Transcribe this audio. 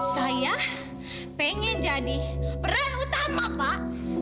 saya pengen jadi peran utama pak